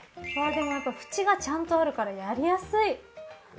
あーでも縁がちゃんとあるからやりやすい。